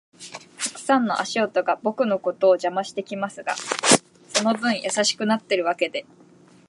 たくさんの足跡が僕のことを邪魔してきますが、その分優しくなってるわけで